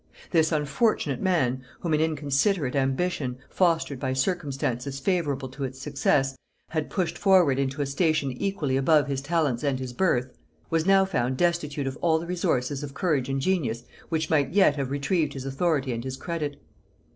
This unfortunate man, whom an inconsiderate ambition, fostered by circumstances favorable to its success, had pushed forward into a station equally above his talents and his birth, was now found destitute of all the resources of courage and genius which might yet have retrieved his authority and his credit.